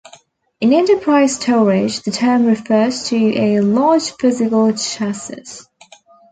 In enterprise storage the term refers to a larger physical chassis.